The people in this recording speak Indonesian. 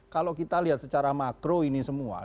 kalau kita lihat secara makro ini semua